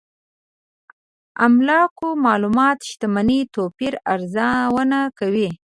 املاکو معلومات شتمنۍ توپير ارزونه کوي.